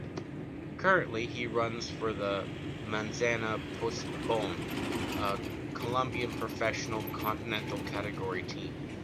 Currently, he runs for the Manzana Postobón, a Colombian Professional Continental category team.